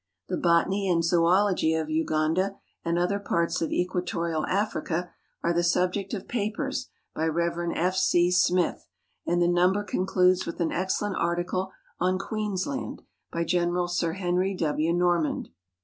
The Botany and Zoology of Uganda and other parts of Equatorial Africa are the sub ject of papers by Rev. F. C. Smith, and the number concludes with an excellent article on Queensland, by General Sir Henry W. Norman.